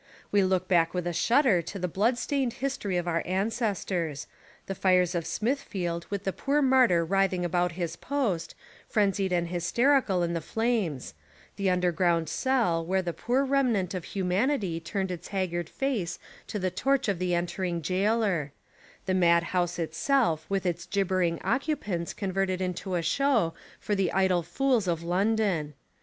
We look back with a shudder to the blood stained history of our ancestors; the fires of Smithfield with the poor martyr writhing about his post, frenzied and hysterical In the flames; the underground cell where the poor remnant of humanity turned Its haggard face to the torch of the entering gaoler; the mad house Itself with Its gibbering occupants con verted into a show for the idle fools of Lon don.